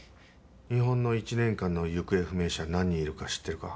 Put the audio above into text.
日本の１年間の行方不明者何人いるか知ってるか？